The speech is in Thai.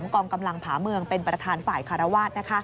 กองกำลังผาเมืองเป็นประธานฝ่ายคารวาส